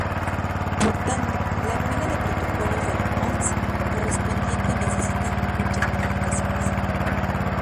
Por tanto, la pila de protocolos del host correspondiente necesita muchas modificaciones.